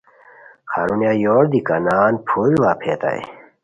ہرونیہ یور دی کانان پھوری ڑاپھیتائے